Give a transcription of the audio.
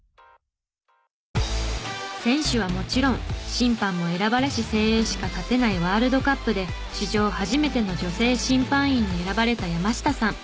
選手はもちろん審判も選ばれし精鋭しか立てないワールドカップで史上初めての女性審判員に選ばれた山下さん。